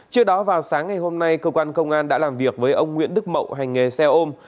trước đó vào sáng ngày hôm nay cơ quan công an đã làm việc với ông nguyễn đức mậu hành nghề xe ôm